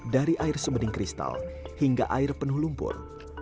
dari air sebening kristal hingga air penuh lumpur